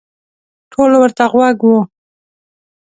ټول ورته غوږ وو.